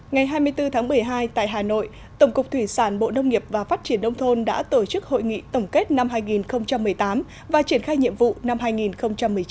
ngày hai mươi bốn tháng một mươi hai tại hà nội tổng cục thủy sản bộ nông nghiệp và phát triển đông thôn đã tổ chức hội nghị tổng kết năm hai nghìn một mươi tám và triển khai nhiệm vụ năm hai nghìn một mươi chín